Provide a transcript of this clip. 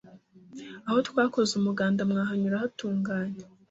Ahô twakoze umuganda mwahanyura hatunganye.